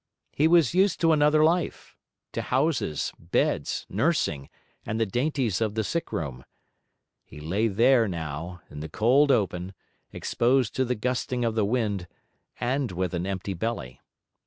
He was used to another life, to houses, beds, nursing, and the dainties of the sickroom; he lay there now, in the cold open, exposed to the gusting of the wind, and with an empty belly.